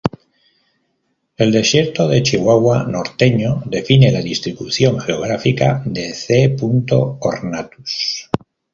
El Desierto de Chihuahua norteño define la distribución geográfica de "C. ornatus".